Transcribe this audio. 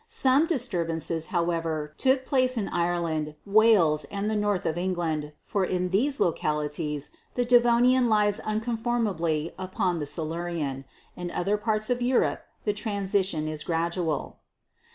Some disturbances, how ever, took place in Ireland, Wales and the north of England, for in these localities the Devonian lies uncon formably upon the Silurian. In other parts of Europe the transition was gradual.